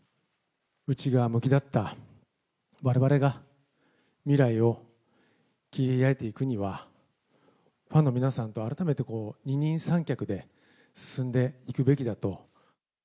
内側向きだったわれわれが、未来を切り開いていくには、ファンの皆さんと改めて二人三脚で進んでいくべきだと。